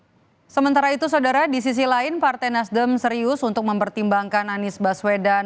hai sementara itu saudara di sisi lain partai nasdem serius untuk mempertimbangkan anies baswedan